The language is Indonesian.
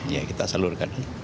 ya kita salurkan